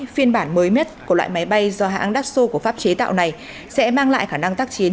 phiên bản mới miết của loại máy bay do hãng dasso của pháp chế tạo này sẽ mang lại khả năng tác chiến